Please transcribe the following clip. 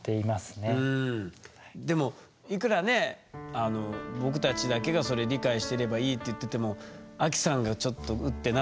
でもいくらね僕たちだけがそれ理解してればいいって言っててもアキさんがちょっとウッってなってたらやっぱ気遣うでしょ？